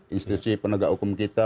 institusi penegak hukum kita